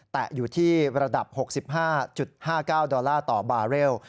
แต่อยู่ที่ระดับ๖๕๕๙ดอลลาร์ต่อบาร์เรล